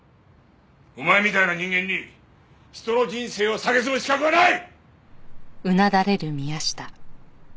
お前みたいな人間に人の人生をさげすむ資格はない！